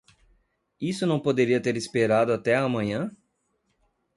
Isso não poderia ter esperado até a manhã?